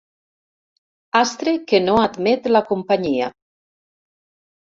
Astre que no admet la companyia.